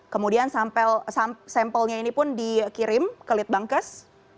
kemudian sampelnya ini pun dikirim ke litbangkes